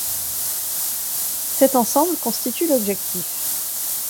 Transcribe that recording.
Cet ensemble constitue l'objectif.